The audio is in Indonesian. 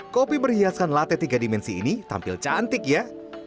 kopi berhiaskan latte tiga dimensi ini tampil cantik ya